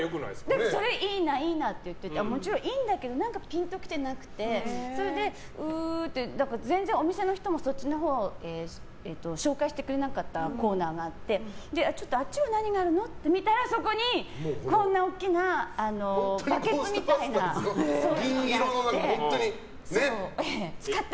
でも、それをいいないいなって言っててもちろんいいんだけど何かピンときてなくてそれで全然、お店の人も紹介してくれなかったコーナーがあってあっちは何があるの？って見たらそこにこんな大きなバケツみたいなのがあって。